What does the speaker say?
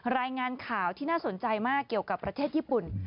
รายงานข่าวที่น่าสนใจมากเกี่ยวกับประเทศญี่ปุ่น